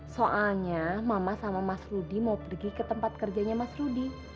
soalnya mama sama mas rudy mau pergi ke tempat kerjanya mas rudy